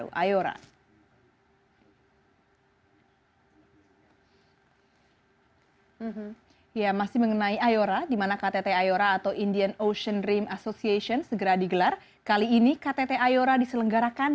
dan akan menunjukkan kepentingan kepentingan dan kepentingan kepentingan